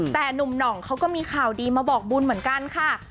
แต่หนุ่มหน่องเขาก็มีข่าวดีมาบอกบุญเหมือนกันค่ะ